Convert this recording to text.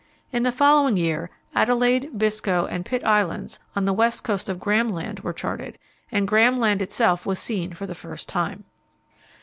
In the following year Adelaide, Biscoe, and Pitt Islands, on the west coast of Graham Land were charted, and Graham Land itself was seen for the first time.